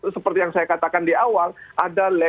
seperti yang saya katakan di awal ada